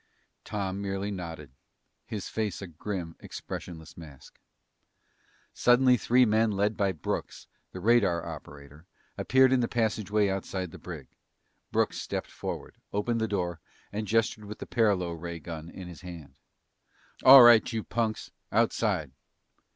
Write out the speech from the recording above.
Tom merely nodded, his face a grim, expressionless mask. Suddenly three men led by Brooks, the radar operator, appeared in the passageway outside the brig. Brooks stepped forward, opened the door, and gestured with the paralo ray gun in his hand. "All right, you punks! Outside!"